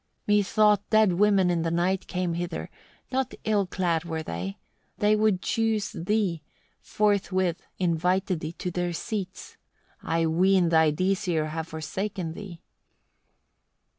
26. "Methought dead women in the night came hither; not ill clad were they: they would choose thee, forthwith invited thee to their seats. I ween thy Disir have forsaken thee."